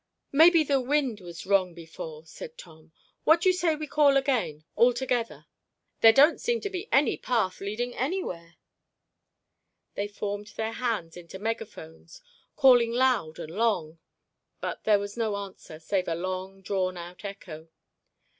"Maybe the wind was wrong before," said Tom. "What d'you say we call again—all together? There don't seem to be any path leading anywhere." They formed their hands into megaphones, calling loud and long, but there was no answer save a long drawn out echo.